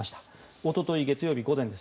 おととい月曜日午前です。